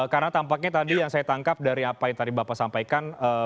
karena tampaknya tadi yang saya tangkap dari apa yang tadi bapak sampaikan